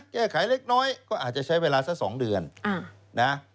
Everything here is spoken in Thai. แก้ไขเล็กน้อยก็อาจจะใช้เวลาสัก๒เดือนนะ